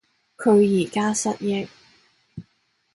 佢而家失憶